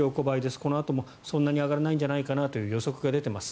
このあともそんなに上がらないんじゃないかなという予測が出ています。